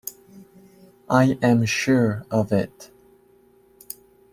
I am sure of it.